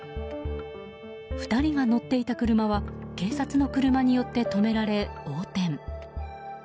２人が乗っていた車は警察の車によって止められ横転。